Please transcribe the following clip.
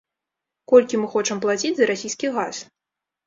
Колькі мы хочам плаціць за расійскі газ?